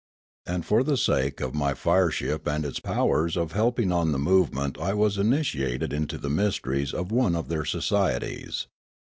And for the sake of my Freedom and Revolution 115 fireship and its powers of helping on tjie movement I was initiated into the mysteries of one of their societies.